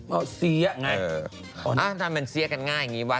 เอาเซี๊ยไงอันนี้อเจมส์ถ้าเล่นเซี๊ยกันง่ายอย่างนี้วะ